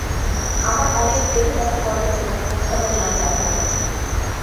আমার অনেক পেটে ব্যথা করে আর প্রস্রাবের নালী ব্যথা করে।